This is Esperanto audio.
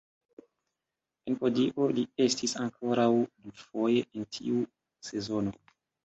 En podio li estis ankoraŭ dufoje en tiu sezono.